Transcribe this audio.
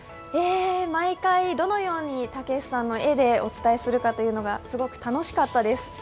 毎回、どのようにたけしさんの絵でお伝えするかというのがすごく楽しかったです。